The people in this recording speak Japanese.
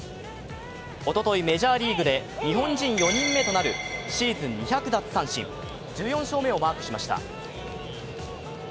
おととい、メジャーリーグで日本人４人目となるシーズン２００奪三振、１４勝目をマークしました。